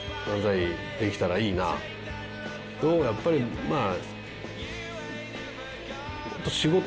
けどやっぱりまあ。